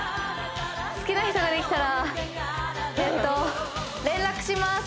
好きな人ができたらえっと連絡します